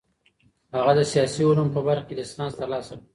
هغه د سياسي علومو په برخه کې ليسانس ترلاسه کړ.